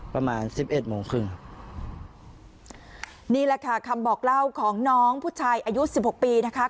ประมาณสิบเอ็ดโมงครึ่งครับนี่แหละค่ะคำบอกเล่าของน้องผู้ชายอายุสิบหกปีนะคะ